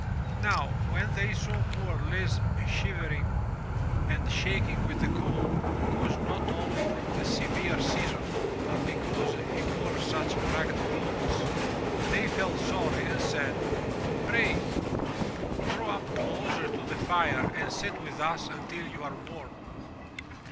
Now, when they saw poor Lise shiver ing and shaking with the cold, caused not only from the severe season but because he wore such ragged clothes, they felt sorry and said, "Pray draw up closer to the fire and sit with us until you are warm.